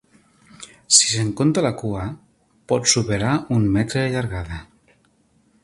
Si se'n compta la cua, pot superar un metre de llargada.